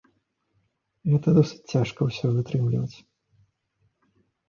Гэта досыць цяжка ўсё вытрымліваць.